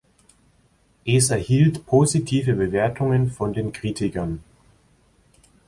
Es erhielt positive Bewertungen von den Kritikern.